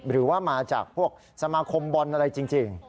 หรือว่ามาจากพวกสมาคมบอลอะไรจริง